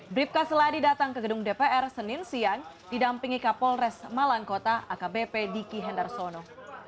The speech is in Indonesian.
bribka seladi datang ke gedung dpr senin siang didampingi kapolres malang kota akbp diki hendarsono